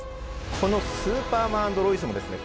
この「スーパーマン＆ロイス」もですね